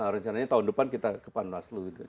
rencananya tahun depan kita ke panwaslu gitu